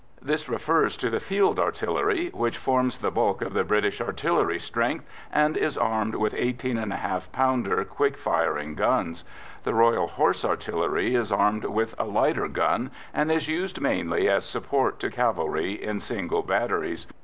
This refers to the field artillery, which forms the bulk of the British artillery strength, and is armed with 18½ pounder quick firing guns. The Royal Horse Artillery is armed with a lighter gun, and is used mainly as support to cavalry in single batteries.